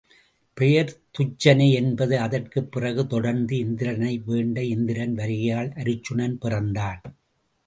பெயர் துச்சனை என்பது அதற்குப் பிறகு தொடர்ந்து இந்திரனை வேண்ட இந்திரன் வருகையால் அருச்சுனன் பிறந்தான்.